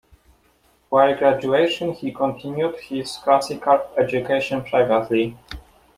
While graduation he continued his classical education privately.